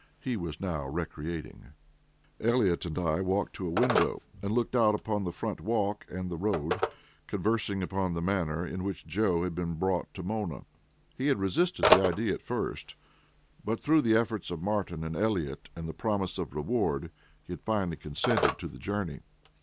He was now recreating. Elliott and I walked to a window and looked out upon the front walk and the road, conversing upon the manner in which Joe had been brought to Mona. He had resisted the idea at first, but through the efforts of Martin and Elliott, and the promise of a reward, he had finally consented to the journey.